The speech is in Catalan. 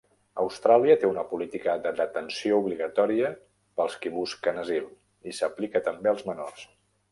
Austràlia té una política de detenció obligatòria pels qui busquen asil, i s'aplica també als menors.